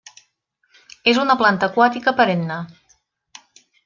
És una planta aquàtica perenne.